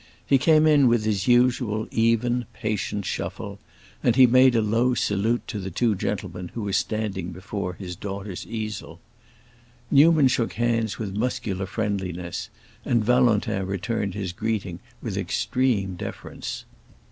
He came in with his usual even, patient shuffle, and he made a low salute to the two gentlemen who were standing before his daughter's easel. Newman shook his hands with muscular friendliness, and Valentin returned his greeting with extreme deference.